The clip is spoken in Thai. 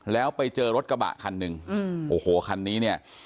แล้วไปเจอรถกระบะคันหนึ่งโอ้โหคันนี้เนี่ย